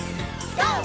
ＧＯ！